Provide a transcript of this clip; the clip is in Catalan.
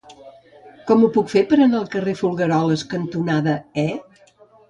Com ho puc fer per anar al carrer Folgueroles cantonada E?